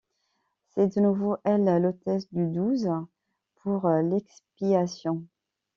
C'est de nouveau elle l'hôtesse du Douze pour l'Expiation.